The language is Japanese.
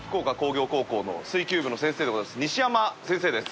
西山先生です。